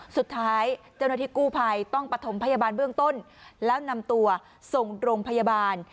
สุดท้ายเจ้าหน้าที่กู้ภัยต้องประถมพยาบาลเบื้องต้นแล้วนำตัวส่งโรงพยาบาล